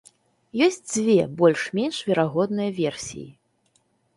Ёсць дзве больш-менш верагодныя версіі.